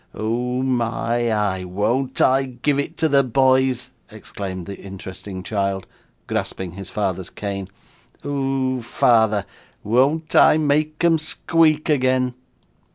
'Oh my eye, won't I give it to the boys!' exclaimed the interesting child, grasping his father's cane. 'Oh, father, won't I make 'em squeak again!